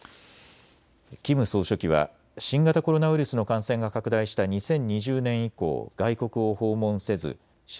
キム総書記は新型コロナウイルスの感染が拡大した２０２０年以降、外国を訪問せず習